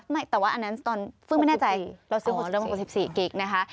ไม่แต่ว่าอันนั้นตอน๖๐ปีเริ่มต้นที่๖๔กิกนะคะ